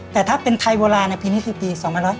แต่ถ้าเป็นไทยโวลาปีนี้คือปี๒๖๐